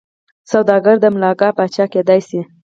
سوداګر د ملاکا پاچا کېدای شي.